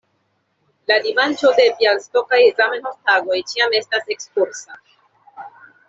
La dimanĉo de Bjalistokaj Zamenhof-Tagoj ĉiam estas ekskursa.